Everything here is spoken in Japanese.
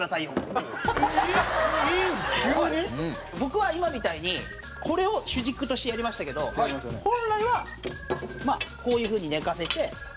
僕は今みたいにこれを主軸としてやりましたけど本来はまあこういう風に寝かせて。